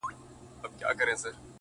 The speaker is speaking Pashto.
پر نوزادو ارمانونو، د سکروټو باران وينې،